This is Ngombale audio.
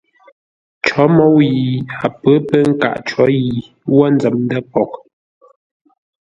Cǒ môu yi a pə̌ pə nkâʼ có yi ə́ wə́ nzəm ndə̂ poghʼ.